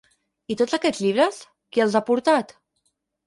I tots aquests llibres, qui els ha portat?